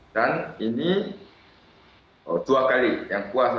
dan ini dua kali yang puasa